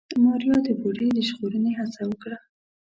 ماريا د بوډۍ د ژغورنې هڅه وکړه.